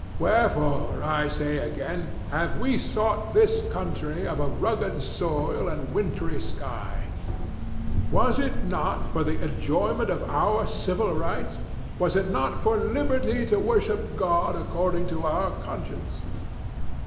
Wherefore, I say again, have we sought this country of a rugged soil and wintry sky? Was it not for the enjoyment of our civil rights? Was it not for liberty to worship God according to our conscience?"